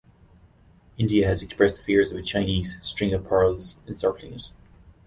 India has expressed fears of a Chinese "String of Pearls" encircling it.